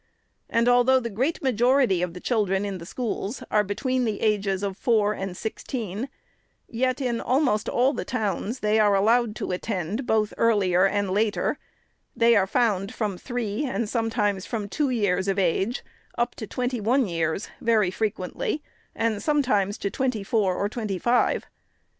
And although the great majority of the children in the schools are between the ages of four and sixteen, yet in almost all the towns they are allowed to attend both earlier and later, and they are found from three, and sometimes from two years of age, up to twenty one years, very frequently, and sometimes to twenty four or twenty five.